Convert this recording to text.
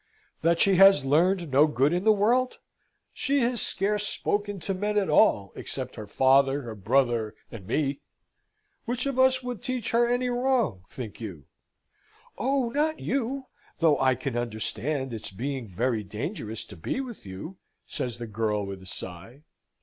"That she has learned no good in the world? She has scarce spoken to men at all, except her father, her brother, and me. Which of us would teach her any wrong, think you?" "Oh, not you! Though I can understand its being very dangerous to be with you!" says the girl, with a sigh.